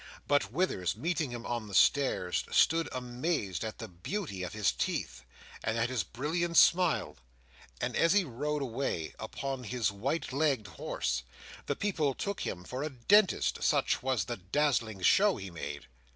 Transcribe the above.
But Withers, meeting him on the stairs, stood amazed at the beauty of his teeth, and at his brilliant smile; and as he rode away upon his white legged horse, the people took him for a dentist, such was the dazzling show he made.